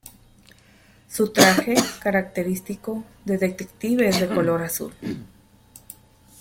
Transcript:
Su traje característico de detective es de color azul.